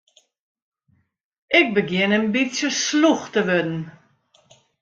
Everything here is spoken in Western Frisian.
Ik begjin in bytsje slûch te wurden.